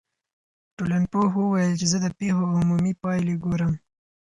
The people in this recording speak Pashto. ټولنپوه وویل چي زه د پیښو عمومي پایلي ګورم.